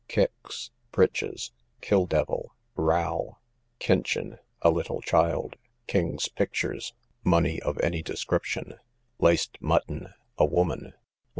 Kicks, breeches. Kill devil, row. Kinchin, a little child. King's pictures, money of any description. Laced mutton, a woman.